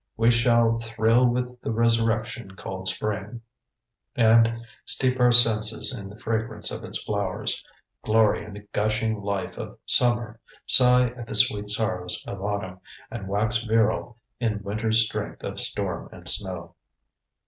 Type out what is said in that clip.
We shall "thrill with the resurrection called spring," and steep our senses in the fragrance of its flowers; glory in the gushing life of summer, sigh at the sweet sorrows of autumn, and wax virile in winter's strength of storm and snow.